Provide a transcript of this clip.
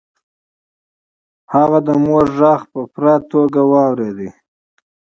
هغه د مور غږ په بشپړ ډول واورېد